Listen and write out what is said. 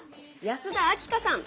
安田明夏さん。